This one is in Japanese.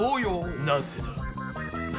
なぜだ？